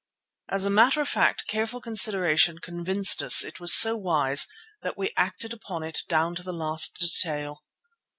As a matter of fact careful consideration convinced us it was so wise that we acted on it down to the last detail.